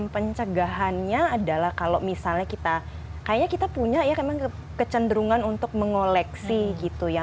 pencegahannya adalah kalau misalnya kita kayaknya kita punya ya memang kecenderungan untuk mengoleksi gitu ya